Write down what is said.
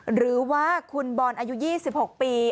หรือว่าคุณบอลอายุ๒๖ปี